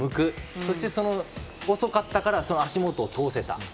そして、遅かったから足元を通せた。